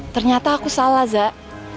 ternyata aku salah zak